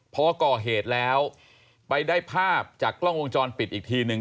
พอก่อเหตุแล้วไปได้ภาพจากกล้องวงจรปิดอีกทีนึง